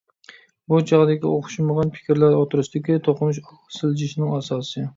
بۇ چاغدىكى ئوخشىمىغان پىكىرلەر ئوتتۇرسىدىكى توقۇنۇش ئالغا سىلجىشنىڭ ئاساسى.